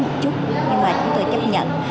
một chút nhưng mà chúng tôi chấp nhận